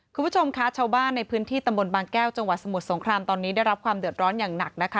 คุณผู้ชมคะชาวบ้านในพื้นที่ตำบลบางแก้วจังหวัดสมุทรสงครามตอนนี้ได้รับความเดือดร้อนอย่างหนักนะคะ